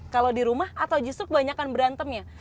kalau di rumah atau justru kebanyakan berantemnya